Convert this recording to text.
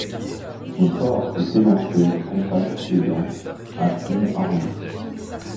Son port et élancé, compact et dense, à cime arrondie.